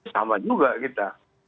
sama juga kita